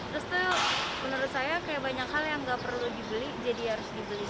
terus tuh menurut saya kayak banyak hal yang nggak perlu dibeli jadi harus dibeli